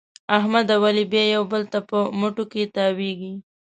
احمد او علي بیا یو بل ته په مټو کې تاوېږي.